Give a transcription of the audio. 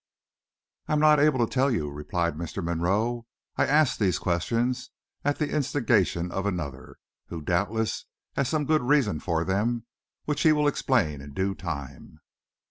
"I'm not able to tell you," replied Mr. Monroe. "I asked these questions at the instigation of another, who doubtless has some good reason for them, which he will explain in due time."